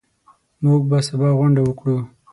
موږ به سبا غونډه وکړو.